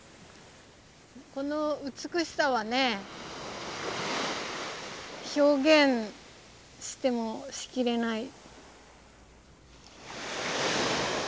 この美しさはね表現してもしきれない。